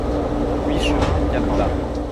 huit chemin Capbat